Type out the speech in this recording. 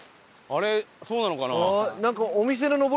あれそうなのかな？